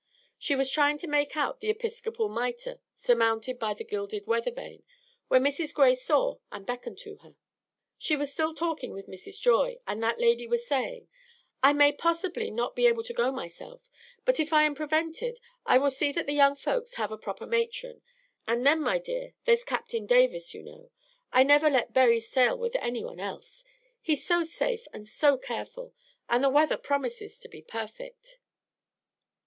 She was trying to make out the Episcopal mitre surmounted by the gilded weather vane, when Mrs. Gray saw and beckoned to her. She was still talking with Mrs. Joy, and that lady was saying, "I may possibly not be able to go myself, but if I am prevented I will see that the young folks have a proper matron. And then, my dear, there's Captain Davis, you know. I never let Berry sail with any one else. He's so safe and so careful, and the weather promises to be perfect."